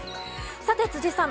さて、辻さん